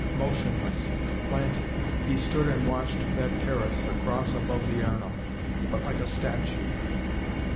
Motionless, planted, he stood and watched that terrace across above the Arno. But like a statue.